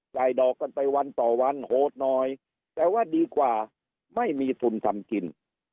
ดอกกันไปวันต่อวันโหดหน่อยแต่ว่าดีกว่าไม่มีทุนทำกิน